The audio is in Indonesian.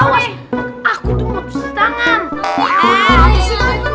awas aku tuh mau pusing tangan